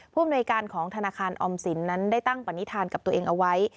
อำนวยการของธนาคารออมสินนั้นได้ตั้งปณิธานกับตัวเองเอาไว้